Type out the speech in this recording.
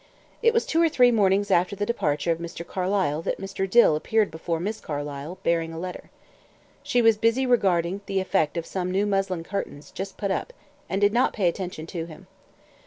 It was two or three mornings after the departure of Mr. Carlyle that Mr. Dill appeared before Miss Carlyle, bearing a letter. She was busy regarding the effect of some new muslin curtains, just put up, and did not pay attention to him.